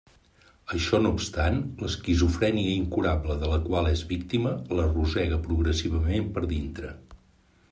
Això no obstant, l'esquizofrènia incurable de la qual és víctima la rosega progressivament per dintre.